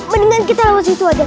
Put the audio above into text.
mendingan kita lepas itu aja